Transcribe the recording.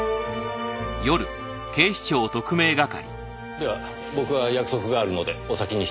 では僕は約束があるのでお先に失礼します。